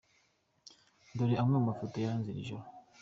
Dore amwe mu mafoto yaranze iri joro:.